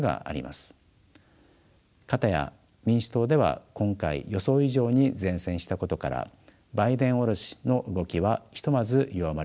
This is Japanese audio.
片や民主党では今回予想以上に善戦したことからバイデン降ろしの動きはひとまず弱まりそうです。